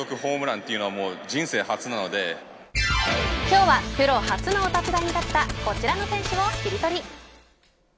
今日はプロ初のお立ち台に立ったこちらの選手をキリトリ。